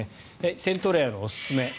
セントレアのおすすめ。